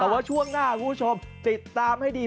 แต่ว่าช่วงหน้าคุณผู้ชมติดตามให้ดี